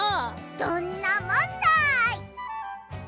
どんなもんだい！